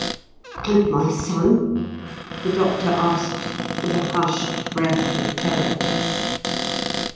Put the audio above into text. "And my son?" the Doctor asked, with a hushed breath of terror.